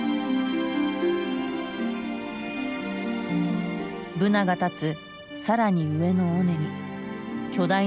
ブナが立つ更に上の尾根に巨大なクレーンが見えた。